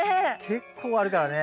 結構あるからね。